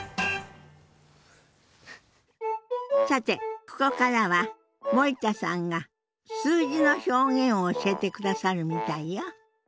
さてここからは森田さんが数字の表現を教えてくださるみたいよ。